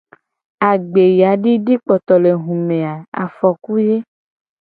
Agbeyadidikpotolehume a afoku ye.